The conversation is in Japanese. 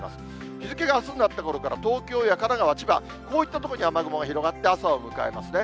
日付があすになったころから東京や神奈川、千葉、こういった所に雨雲が広がって、朝を迎えますね。